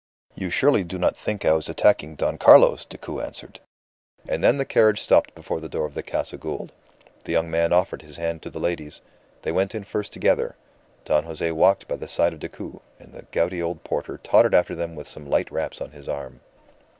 "You surely do not think I was attacking Don Carlos!" Decoud answered. And then the carriage stopped before the door of the Casa Gould. The young man offered his hand to the ladies. They went in first together; Don Jose walked by the side of Decoud, and the gouty old porter tottered after them with some light wraps on his arm.